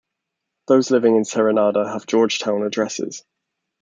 Those living in Serenada have Georgetown addresses.